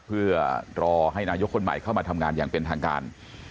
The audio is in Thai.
เพื่อรอให้นายกคนใหม่เข้ามาทำงานอย่างเป็นทางการ